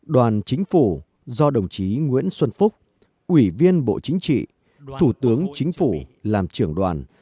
đoàn chính phủ do đồng chí nguyễn xuân phúc ủy viên bộ chính trị thủ tướng chính phủ làm trưởng đoàn